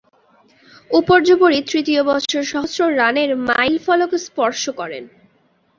উপর্যুপরী তৃতীয় বছর সহস্র রানের মাইলফলক স্পর্শ করেন।